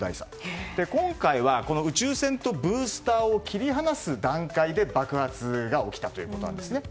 今回は宇宙船とブースターを切り離す段階で爆発が起きたということなんですね。